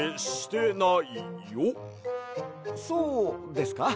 そうですか？